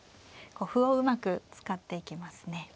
こう歩をうまく使っていきますね。